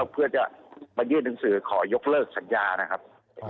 เพื่อจะมายื่นหนังสือขอยกเลิกสัญญานะครับ